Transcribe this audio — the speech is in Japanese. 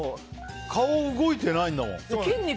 顔動いてないんだもん。